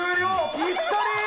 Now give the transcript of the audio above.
ぴったり！